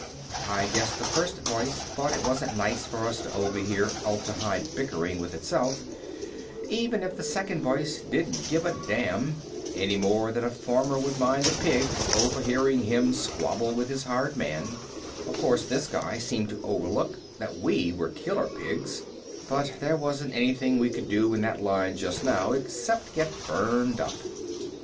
I guess the first voice thought it wasn't nice for us to overhear Atla Hi bickering with itself, even if the second voice didn't give a damn (any more than a farmer would mind the pigs overhearing him squabble with his hired man; of course this guy seemed to overlook that we were killer pigs, but there wasn't anything we could do in that line just now except get burned up).